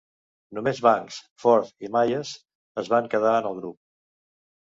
Només Banks, Ford i Mayes es van quedar en el grup.